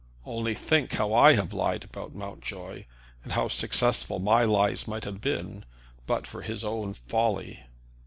"Only think how I have lied about Mountjoy; and how successful my lies might have been, but for his own folly!"